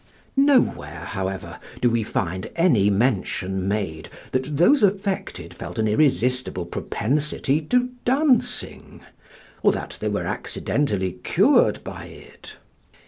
Nowhere, however, do we find any mention made that those affected felt an irresistible propensity to dancing, or that they were accidentally cured by it.